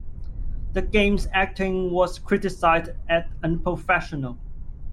The game's acting was criticized as unprofessional.